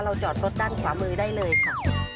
จอดรถด้านขวามือได้เลยค่ะ